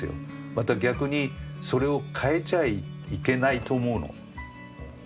また逆にそれを変えちゃいけないと思うの。